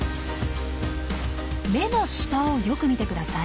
目の下をよく見てください。